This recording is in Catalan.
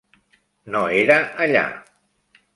No era allà.